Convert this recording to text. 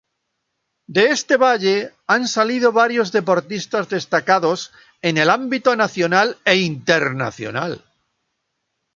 De este valle han salido varios deportistas destacados en el ámbito nacional e internacional.